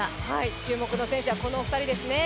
注目の選手はこのお二人ですね。